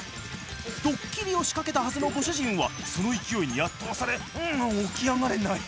ドッキリを仕掛けたはずのご主人はその勢いに圧倒され起き上がれない。